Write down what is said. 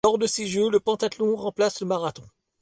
Lors de ces Jeux, le pentathlon remplace le marathon.